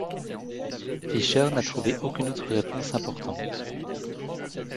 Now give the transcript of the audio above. Fischer n'a trouvé aucune autre réponse importante.